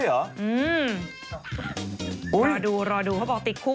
รอดูรอดูเขาบอกติดคุก